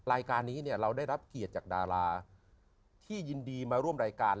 รายการนี้เนี่ยเราได้รับเกียรติจากดาราที่ยินดีมาร่วมรายการ